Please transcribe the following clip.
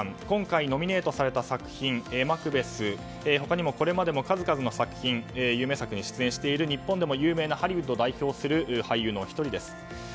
今回ノミネートされた作品「マクベス」他にもこれまでも数々の有名策に出演している日本でも有名なハリウッドを代表する俳優の１人です。